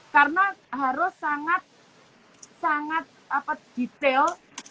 karena harus sangat detail